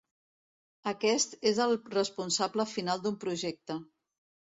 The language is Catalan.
Aquest és el responsable final d'un projecte.